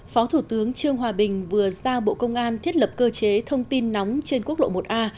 phó thủ tướng trương hòa bình vừa ra bộ công an thiết lập cơ chế thông tin nóng trên quốc lộ một a